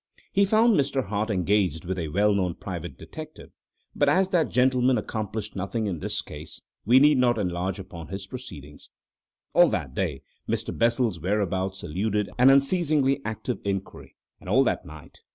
He found Mr. Hart engaged with a well known private detective, but as that gentleman accomplished nothing in this case, we need not enlarge upon his proceedings. All that day Mr. Bessel's whereabouts eluded an unceasingly active inquiry, and all that night.